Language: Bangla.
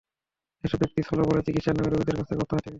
এসব ব্যক্তি ছলেবলে চিকিৎসার নামে রোগীদের কাছ থেকে অর্থ হাতিয়ে নিচ্ছেন।